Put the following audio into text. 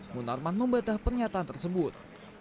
munarman membatah pernyataan tersebut